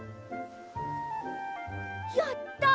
やった！